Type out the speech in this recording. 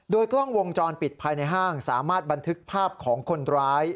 โดยกล้องวงจรปิดภายในห้างสามารถบันทึกภาพของคนร้าย